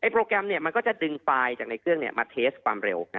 โปรแกรมมันก็จะดึงไฟล์จากในเครื่องมาเทสความเร็ว